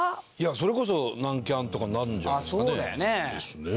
それこそ南キャンとかになるんじゃないですかね？ですね。